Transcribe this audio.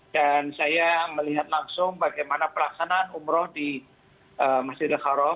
dan saya melihat langsung bagaimana pelaksanaan umroh di masjid al kharam